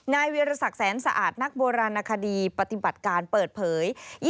เวียรษักแสนสะอาดนักโบราณคดีปฏิบัติการเปิดเผย